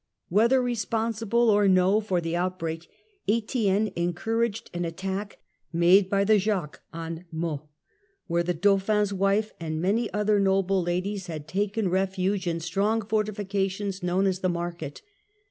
Whether re sponsible or no for the outbreak, Etienne encouraged an attack made by the Jacques on Meaux, where the Dauphin's wife and many other noble ladies had taken 148 THE END OF THE MIDDLE AGE refuge in strong fortifications known as the Market.